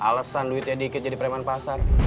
alesan duitnya dikit jadi perman pasar